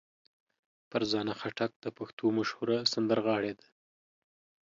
فرزانه خټک د پښتو مشهوره سندرغاړې ده.